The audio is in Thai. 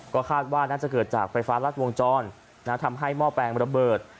ก็คาดว่าน่าจะเกิดจากไฟฟ้ารัดวงจรทำให้หม้อแปลงระเบิด